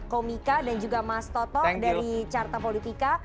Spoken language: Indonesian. komika dan juga mas toto dari carta politika